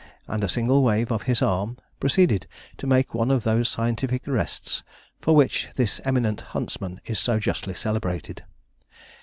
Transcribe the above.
and a single wave of his arm, proceeded to make one of those scientific rests for which this eminent huntsman is so justly celebrated.